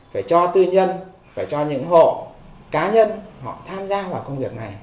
phải cho tư nhân phải cho những hộ cá nhân họ tham gia vào công việc này